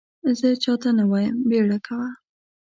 زه چا ته نه وایم بیړه کوه !